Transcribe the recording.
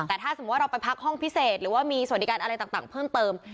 แต่ถ้าสมมุติว่าเราไปพักห้องพิเศษหรือว่ามีสวัสดิการอะไรต่างเพิ่มเติม